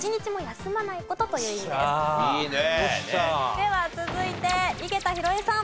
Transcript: では続いて井桁弘恵さん。